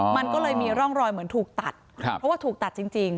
มันก็เลยมีร่องรอยเหมือนถูกตัดเพราะว่าถูกตัดจริง